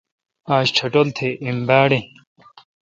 آج ٹٹھول تہ ایم باڑ این۔